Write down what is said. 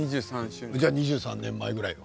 じゃあ２３年前ぐらいよ